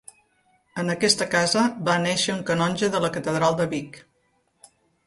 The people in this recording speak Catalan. En aquesta casa va néixer un canonge de la Catedral de Vic.